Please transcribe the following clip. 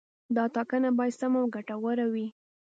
دا ټاکنه باید سمه او ګټوره وي.